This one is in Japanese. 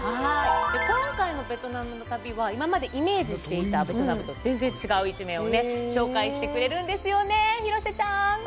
今回のベトナムの旅は、今までイメージしていたベトナムと全然違う一面を紹介してくれるんですよね、広瀬ちゃん！